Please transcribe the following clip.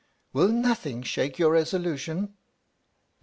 " Will nothing shake your resolution